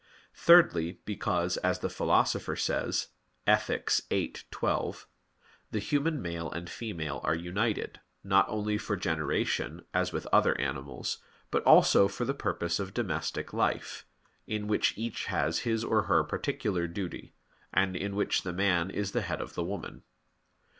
Thirdly, because, as the Philosopher says (Ethic. viii, 12), the human male and female are united, not only for generation, as with other animals, but also for the purpose of domestic life, in which each has his or her particular duty, and in which the man is the head of the woman.